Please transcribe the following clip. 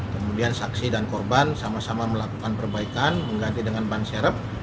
kemudian saksi dan korban sama sama melakukan perbaikan mengganti dengan ban serep